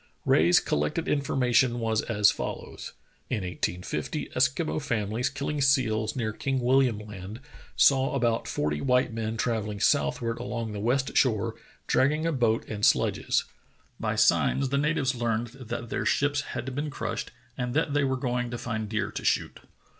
Rae's collected information was as follows: In 1850 Eskimo families kiUing seals near King Will Dr. Rae and the Franklin Mystery 153 iam Land saw about forty white men travelling south ward along the west shore, dragging a boat and sledges. By signs the natives learned that their ships had been crushed and that they were going to find deer to shoot.